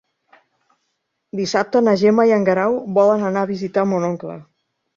Dissabte na Gemma i en Guerau volen anar a visitar mon oncle.